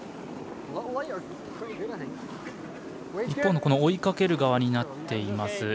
一方の追いかける側になっています